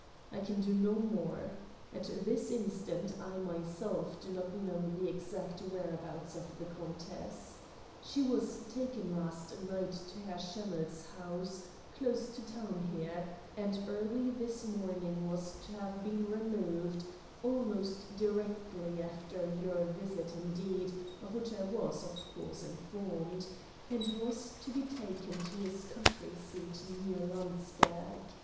I can do no more. At this instant I myself do not know the exact whereabouts of the countess. She was taken last night to Herr Schemmell's house, close to town here, and early this morning was to have been removed almost directly after your visit, indeed, of which I was, of course, informed and was to be taken to his country seat near Landsberg.